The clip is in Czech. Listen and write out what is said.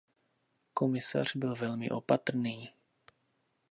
Komisař byl velmi opatrný.